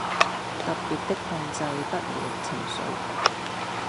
特別的控制不了情緒